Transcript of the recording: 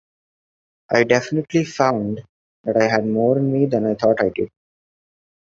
I definitely found that I had more in me than I thought I did.